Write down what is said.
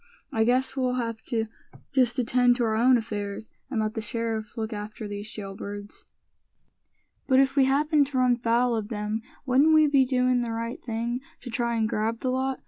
I guess we'll have to just attend to our own affairs, and let the sheriff look after these jail birds." "But if we happened to run foul of them, wouldn't we be doin' the right thing to try and grab the lot?"